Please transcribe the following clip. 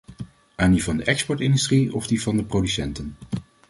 Aan die van de exportindustrie of die van de producenten?